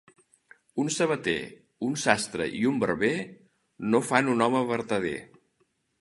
Un sabater, un sastre i un barber no fan un home vertader.